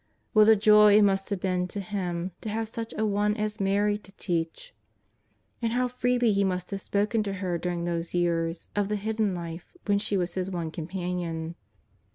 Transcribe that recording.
What a joy it must have been to Him to have such a one as Mary to teach, and how 104 JESUS OF NAZARETH. freely He must have spoken to her during those years of the Hidden Life when she was His one companion.